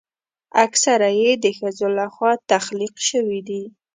اکثره یې د ښځو لخوا تخلیق شوي دي.